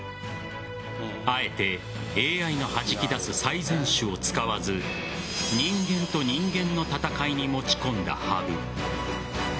あえてＡＩのはじき出す最善手を使わず人間と人間の戦いに持ち込んだ羽生。